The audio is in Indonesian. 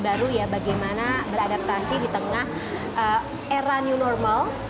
baru ya bagaimana beradaptasi di tengah era new normal